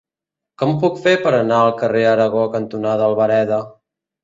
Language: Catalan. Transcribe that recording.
Com ho puc fer per anar al carrer Aragó cantonada Albareda?